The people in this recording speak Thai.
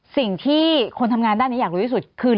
สิ่งที่คนทำงานด้านนี้อยากรู้ที่สุดคือ